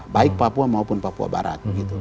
baik papua maupun papua barat